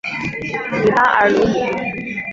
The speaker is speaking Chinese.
里巴尔鲁伊。